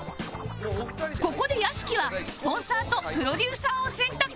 ここで屋敷はスポンサーとプロデューサーを選択